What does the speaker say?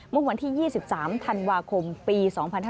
เมื่อวันที่๒๓ธันวาคมปี๒๕๕๙